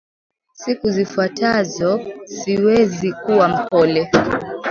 siku zifuatazo siwezi kuwa mpole